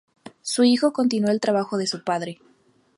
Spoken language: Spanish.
Su hijo continuó el trabajo de su padre.